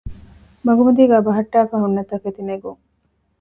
މަގުމަތީގައި ބަހައްޓާފައި ހުންނަ ތަކެތިނެގުން